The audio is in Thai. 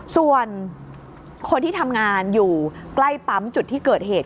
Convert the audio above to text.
ส่วนคนที่ทำงานอยู่ใกล้ปั๊มจุดที่เกิดเหตุ